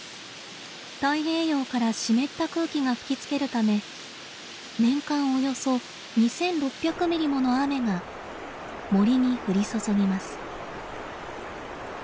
太平洋から湿った空気が吹きつけるため年間およそ２，６００ミリもの雨が森に降り注ぎます。